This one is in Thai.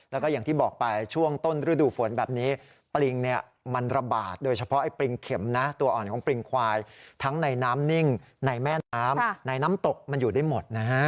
แล้วก็อย่างที่บอกไปช่วงต้นฤดูฝนแบบนี้ปริงเนี่ยมันระบาดโดยเฉพาะไอ้ปริงเข็มนะตัวอ่อนของปริงควายทั้งในน้ำนิ่งในแม่น้ำในน้ำตกมันอยู่ได้หมดนะฮะ